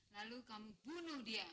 lalu kamu bunuh dia